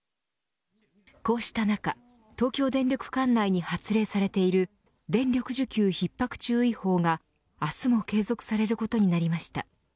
こうした中、東京電力管内に発令されている電力需給ひっ迫注意報が明日も継続されることになりました。